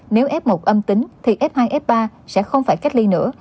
nếu f một âm tính thì f hai f ba sẽ không phải cách ly nữa